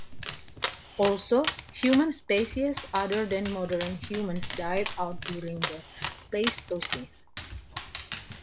Also, human species other than modern humans died out during the Pleistocene.